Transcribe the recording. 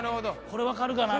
これわかるかな？